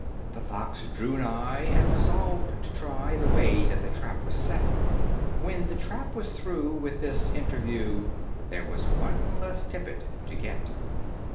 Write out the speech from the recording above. The fox drew nigh, and resolved to try The way that the trap was set: (When the trap was through with this interview There was one less tippet to get!)